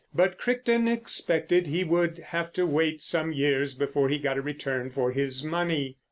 But Crichton expected he would have to wait some years before he got a return for his money.